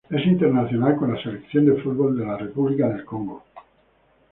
Es internacional con la selección de fútbol de la República del Congo.